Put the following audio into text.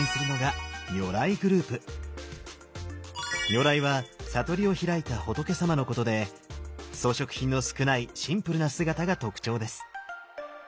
如来は悟りを開いた仏様のことで装飾品の少ないシンプルな姿が特徴です。